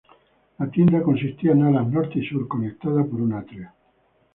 La tienda consistía en alas norte y sur, conectadas por un atrio.